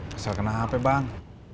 kesel kenapa bang